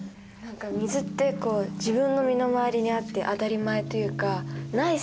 何か水って自分の身の回りにあって当たり前というかな